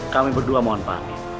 kami berdua mohon paham